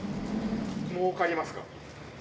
もうかりますか？